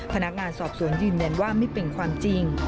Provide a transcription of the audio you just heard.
พนักงานสอบสวนยืนยันว่าไม่เป็นความจริง